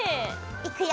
いくよ！